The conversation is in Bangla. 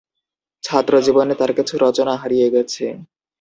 ছাত্রজীবনে তার কিছু রচনা হারিয়ে গেছে।